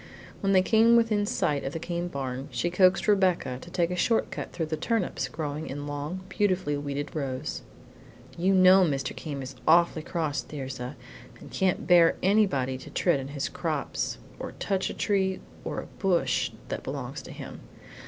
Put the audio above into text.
When they came within sight of the Came barn, she coaxed Rebecca to take a short cut through the turnips growing in long, beautifully weeded rows. "You know Mr. Came is awfully cross, Thirza, and can't bear anybody to tread on his crops or touch a tree or a bush that belongs to him.